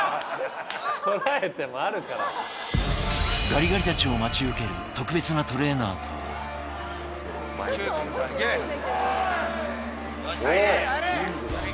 ガリガリたちを待ち受ける特別なトレーナーとはよし入れ入れ！